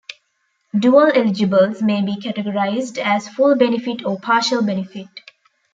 Dual-eligibles may be categorized as full-benefit or partial-benefit.